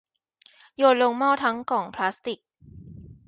โยนลงหม้อทั้งกล่องพลาสติก